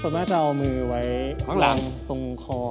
ส่วนมากจะเอามือไว้ข้างหลังตรงคอ